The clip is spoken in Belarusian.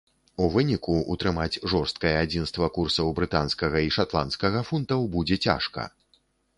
У выніку ўтрымаць жорсткае адзінства курсаў брытанскага і шатландскага фунтаў будзе цяжка.